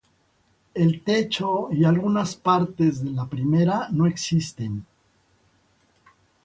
El techo y algunas partes de la primera no existen.